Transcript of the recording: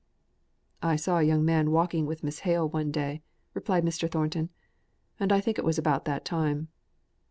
"I saw a young man walking with Miss Hale one day," replied Mr. Thornton, "and I think it was about that time."